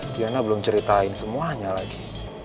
diana belum ceritain semuanya lagi